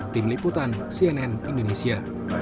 tim liputan cnn indonesia